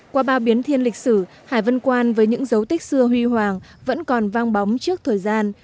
qua bao biến thiên lịch sử hải vân quan với những dấu tích xưa huy hoàng vẫn còn vang bóng trước thời gian